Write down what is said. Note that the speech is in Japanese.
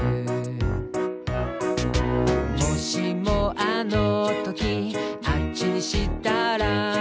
「『もしもあのとき、あっちにしたら』」